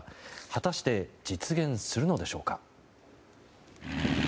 果たして実現するのでしょうか。